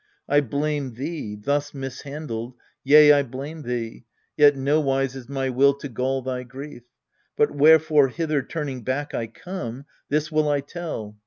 I blame thee, thus mishandled, yea, I blame thee. Yet nowise is my will to gall thy grief. But wherefore hither turning back I come, This will I tell.